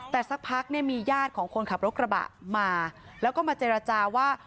แต่สักพักเนี่ยมีญาติของคนขับรถกระบะมาแล้วก็มาเจรจาว่า